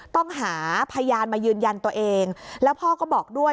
ต้องหาพยานมายืนยันตัวเองแล้วพ่อก็บอกด้วย